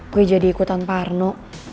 gue jadi ikutan parno